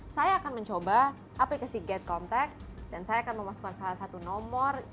saya akan mencoba aplikasi gate contact dan saya akan memasukkan salah satu nomor